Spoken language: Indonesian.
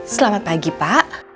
selamat pagi pak